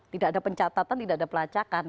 tidak ada pencatatan tidak ada pelacakan